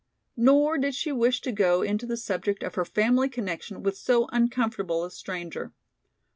Nor did she wish to go into the subject of her family connection with so uncomfortable a stranger.